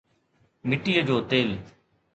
مٽيءَ جو تيل